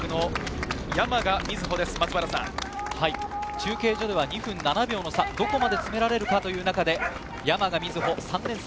中継所では２分７秒の差をどこまで詰められるかという中で山賀瑞穂・３年生。